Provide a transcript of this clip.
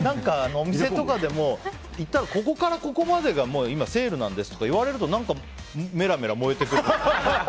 お店とかでも行ったらここからここまでが今、セールなんですとか言われると、何かメラメラ燃えてくる。